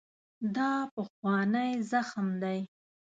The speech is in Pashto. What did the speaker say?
دا پخوانی زخم دی.